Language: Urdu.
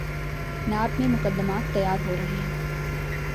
نیب میں مقدمات تیار ہو رہے ہیں۔